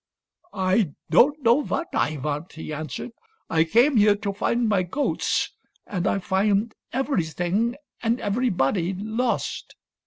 " I don't know what I want," he answered. " I came here to find my goats and I find everything and everybody lost.